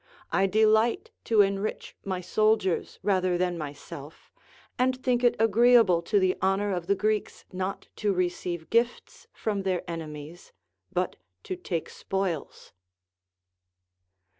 I delight to enrich my soldiers rather than myself, and think it agreeable to the honor of the Greeks not to receive gifts from their enemies but to take spoils.